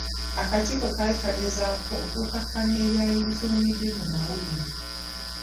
Akakiiko kaali kagezaako okukkakkanya ebyali bifulumidde mu mawulire.